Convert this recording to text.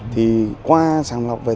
thì qua sàng lọc